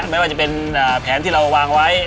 ไม่ว่าจะเป็นแผนที่เราวางไว้